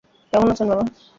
কেমন আছেন, বাবা?